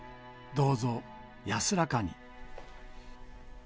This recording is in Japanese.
どうぞ安らかに。